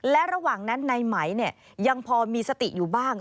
และระหว่างนั้นในไหมยังพอมีสติอยู่บ้าง